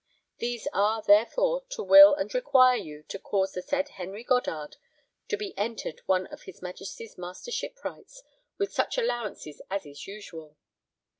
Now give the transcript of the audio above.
These are therefore to will and require you to cause the said Henry Goddard to be entered one of his Majesty's Master Shipwrights with such allowances as is usual.